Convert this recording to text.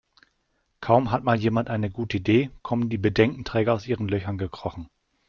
Kaum hat mal jemand eine gute Idee, kommen die Bedenkenträger aus ihren Löchern gekrochen.